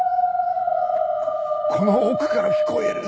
この奥から聞こえる！